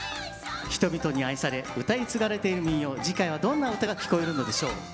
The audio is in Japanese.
人々に愛され唄い継がれている民謡次回はどんな唄が聞こえるのでしょう。